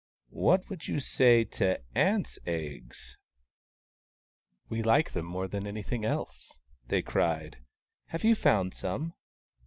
" What would you say to ants' eggs ?"" We like them more than anything else," they cried. " Have you found some